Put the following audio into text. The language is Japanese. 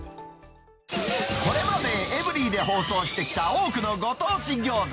これまでエブリィで放送してきた多くのご当地餃子。